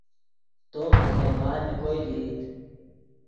تو ڤے خوئے مال نے کوئے لئیت